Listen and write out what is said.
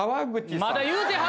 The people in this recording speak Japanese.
まだ言うてはる！